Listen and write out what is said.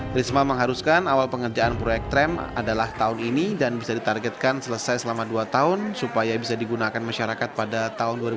trisma mengharuskan awal pengerjaan proyek tram adalah tahun ini dan bisa ditargetkan selesai selama dua tahun supaya bisa digunakan masyarakat pada tahun dua ribu dua puluh